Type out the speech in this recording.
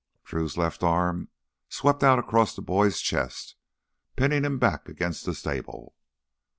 Drew's left arm swept out across the boy's chest, pinning him back against the stable.